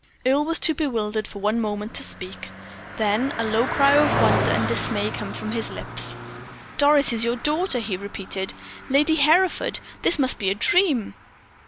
Earle was too bewildered for one moment to speak. Then a low cry of wonder and dismay came from his lips. "Doris your daughter!" he repeated. "Lady Hereford, this must be a dream!"